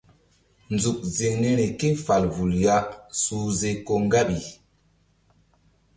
Nzuk ziŋ niri ke fal vul ya suhze ko ŋgaɓi.